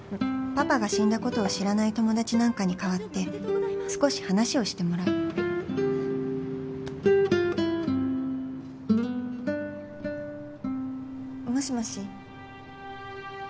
パパが死んだことを知らない友達なんかに代わって少し話をしてもらうもしもし。